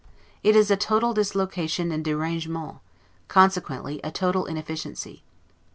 It is a total dislocation and 'derangement'; consequently a total inefficiency.